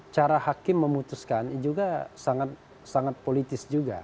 cara hakim memutuskan juga sangat politis juga